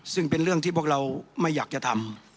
ซึ่งเป็นเรื่องที่พวกเราไม่อยากจะทำ